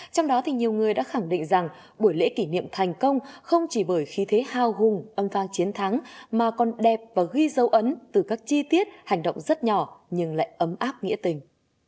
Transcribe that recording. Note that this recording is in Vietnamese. trong đó thì nhiều người đã khẳng định rằng buổi lễ kỷ niệm thành công không chỉ bởi khí thế hào hùng âm phang chiến thắng mà còn đẹp và ghi dấu ấn từ các chi tiết hành động rất nhỏ nhưng lại ấm áp nghĩa tình